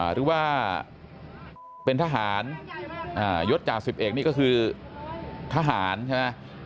หรือว่าเป็นทหารยศจ่าสิบเอกนี่ก็คือทหารใช่ไหม